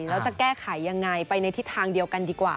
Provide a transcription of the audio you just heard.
แล้วจะแก้ไขยังไงไปในทิศทางเดียวกันดีกว่า